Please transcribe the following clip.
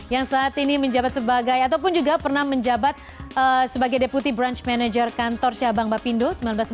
yang saat ini menjabat sebagai ataupun juga pernah menjabat sebagai deputi brunch manager kantor cabang bapindo seribu sembilan ratus sembilan puluh